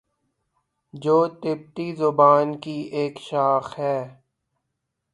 جو تبتی زبان کی ایک شاخ ہے